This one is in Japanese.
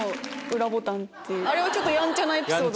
あれはやんちゃなエピソード。